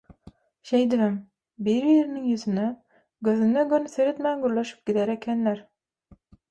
Şeýdibem, biri-biriniň ýüzüne, gözüne göni seretmän gürleşip gider ekenler.